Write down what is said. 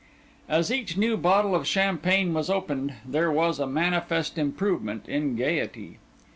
As each new bottle of champagne was opened, there was a manifest improvement in gaiety.